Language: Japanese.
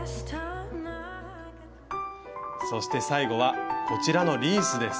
そして最後はこちらのリースです。